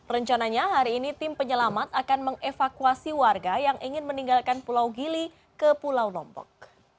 rencananya hari ini tim penyelamat akan mengevakuasi warga yang ingin meninggalkan pulau gili ke pulau lombok